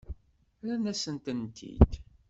Rrant-asen-tent-id.